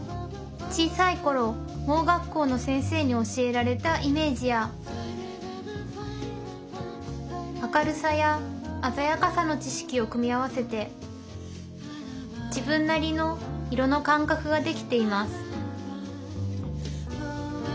小さい頃盲学校の先生に教えられたイメージや明るさや鮮やかさの知識を組み合わせて自分なりの色の感覚ができています